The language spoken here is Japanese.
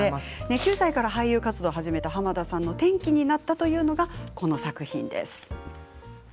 ９歳から俳優活動を始めた濱田さんの転機になったという作品です。